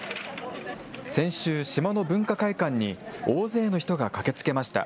先週、島の文化会館に、大勢の人が駆けつけました。